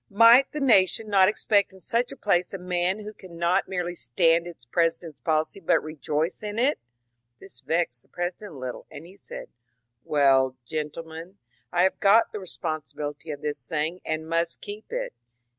*' Might the na tion not expect in such a place a man who can not merely stand its President's policy but rejoice in it?" This vexed the President a little, and he said :^^ Well, gentlemen, I have got the responsibility of tiiis thing and must keep it."